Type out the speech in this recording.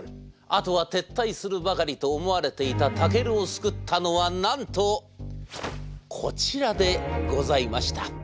あとは撤退するばかりと思われていたＴＡＫＥＲＵを救ったのはなんとこちらでございました。